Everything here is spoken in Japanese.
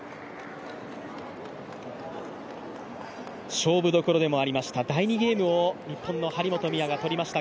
勝負所でもありました、第２ゲームを日本の張本美和が取りました。